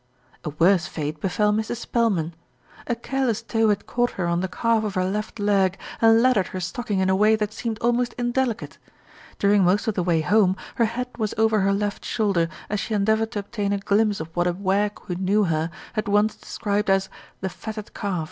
A worse fate befell Mrs. Spelman. A careless toe had caught her on the calf of her left leg, and laddered her stocking in a way that seemed almost indelicate. During most of the way home, her head was over her left shoulder, as she endeavoured to obtain a glimpse of what a wag who knew her had once described as "the fatted calf."